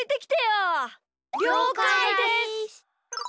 りょうかいです！